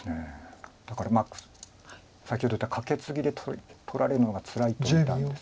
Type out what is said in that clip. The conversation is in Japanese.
だから先ほど言ったカケツギで取られるのがつらいと見たんです。